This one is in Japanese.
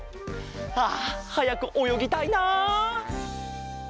あはやくおよぎたいな！